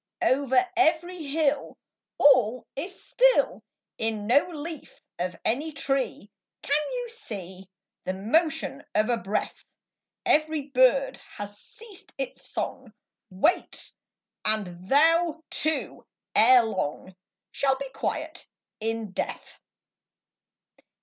I Over every hill All is still ; In no leaf of any tree Can you see The motion of a breath. Every bird has ceased its song, Wait ; and thou too, ere long, Shall be quiet in death.